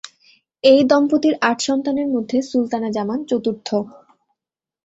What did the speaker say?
এই দম্পতির আট সন্তানের মধ্যে সুলতানা জামান চতুর্থ।